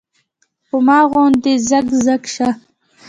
پۀ ما غونے زګ زګ شۀ ـ